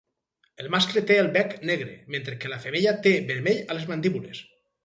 El mascle té el bec negre, mentre que la femella té vermell a les mandíbules.